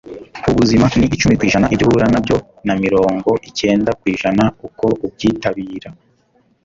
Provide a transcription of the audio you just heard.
Ubuzima ni icumi ku ijana ibyo uhura nabyo na mirongo cyenda ku ijana uko ubyitabira.”